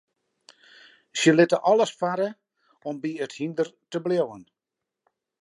Se litte alles farre om by it hynder te bliuwen.